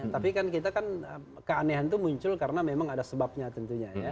tapi kita kan keanehan itu muncul karena memang ada sebagian